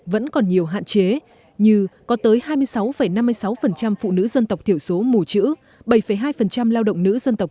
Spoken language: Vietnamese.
vẫn còn nhiều hạn chế như có tới hai mươi sáu năm mươi sáu phụ nữ dân tộc thiểu số mù chữ bảy hai lao động nữ dân tộc